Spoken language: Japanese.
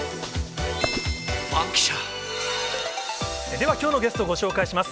ではきょうのゲストをご紹介します。